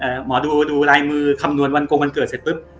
หมอดูดูลายมือคำนวณวันโกงวันเกิดเสร็จปุ๊บ